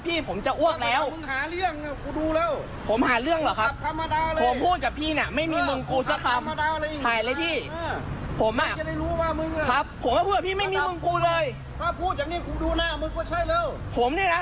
ไปจากกุมควรกูไม่เอาสร้างบางก็ได้